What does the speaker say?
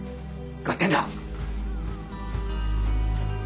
合点だ！